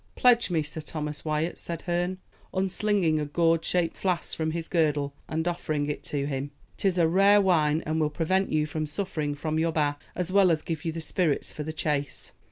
"Pledge me, Sir Thomas Wyat," said Herne, unslinging a gourd shaped flask from his girdle, and offering it to him. "'Tis a rare wine, and will prevent you from suffering from your bath, as well as give you spirits for the chase."